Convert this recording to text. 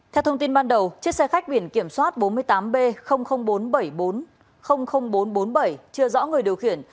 theo thông tin ban đầu chiếc xe khách biển kiểm soát bốn mươi tám b bốn trăm bảy mươi bảy chưa rõ người điều khiển